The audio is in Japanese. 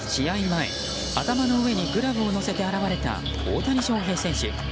前頭の上にグラブを乗せて現れた大谷翔平選手。